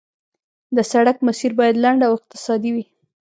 د سړک مسیر باید لنډ او اقتصادي وي